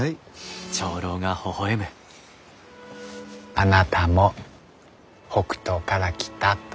あなたも北東から来たと。